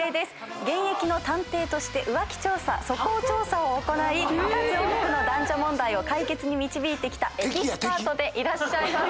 現役の探偵として浮気調査素行調査を行い数多くの男女問題を解決に導いてきたエキスパートでいらっしゃいます。